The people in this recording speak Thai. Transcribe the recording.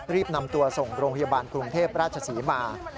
รีบนำตัวส่งโรงพยาบาลกรุงเทพราชศรีมา